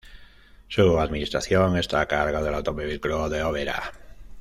Su administración, está a cargo del Automóvil Club de Oberá.